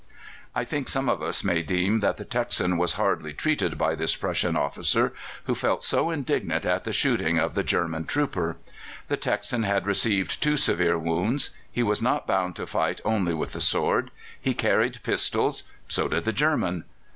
I think some of us may deem that the Texan was hardly treated by this Prussian officer who felt so indignant at the shooting of the German trooper. The Texan had received two severe wounds. He was not bound to fight only with the sword. He carried pistols; so did the German.